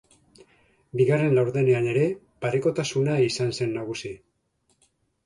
Bigarren laurdenean ere parekotasuna izan zen nagusi.